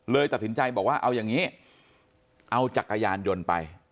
ตัดสินใจบอกว่าเอาอย่างนี้เอาจักรยานยนต์ไป